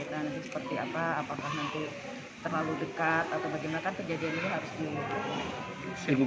nah nanti seperti apa apakah nanti terlalu dekat atau bagaimana kan kejadian ini harus dilakukan